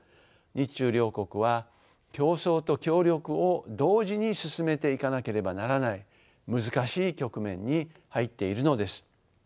日中両国は競争と協力を同時に進めていかなければならない難しい局面に入っているのです。